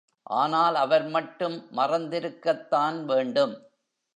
ஆனால் அவர் மட்டும் மறந்திருக்கத்தான் வேண்டும்.